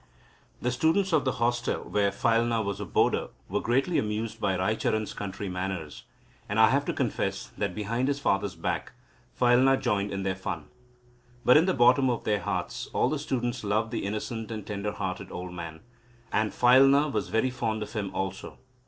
The students of the hostel, where Phailna was a boarder, were greatly amused by Raicharan's country manners, and I have to confess that behind his father's back Phailna joined in their fun. But, in the bottom of their hearts, all the students loved the innocent and tender hearted old man, and Phailna was very fond of him also.